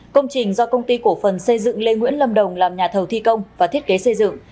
công trình do công ty cổ phần xây dựng lê nguyễn lâm đồng làm nhà thầu thi công và thiết kế xây dựng